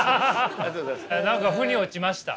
何かふに落ちました？